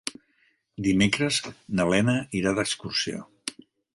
Dimecres na Lena irà d'excursió.